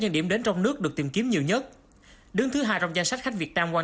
những điểm đến trong nước được tìm kiếm nhiều nhất đứng thứ hai trong danh sách khách việt nam quan